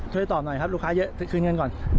ช่วยตอบหน่อยครับลูกค้าเยอะคืนเงินก่อน